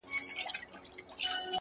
ورځيني ليري گرځــم ليــري گــرځــــم-